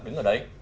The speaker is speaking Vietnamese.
đứng ở đấy